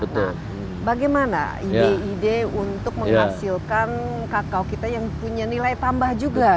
nah bagaimana ide ide untuk menghasilkan kakao kita yang punya nilai tambah juga